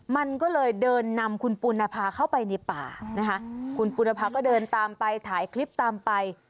มันก็เลยเดินนำคุณปุณภาเข้าไปในป่านะคะคุณปุณภาก็เดินตามไปถ่ายคลิปตามไป